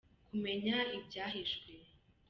kumenya ibyahishwe